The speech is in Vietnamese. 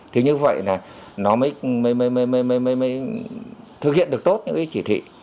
thế như vậy nó mới thực hiện được tốt những chỉ thị